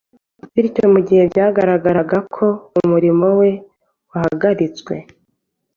Bityo mu gihe byagaragaraga ko umurimo we wahagaritswe,